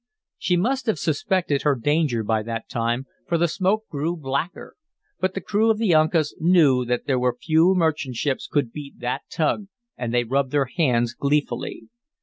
She must have suspected her danger by that time, for the smoke grew blacker. But the crew of the Uncas knew that there were few merchant ships could beat that tug, and they rubbed their hands gleefully.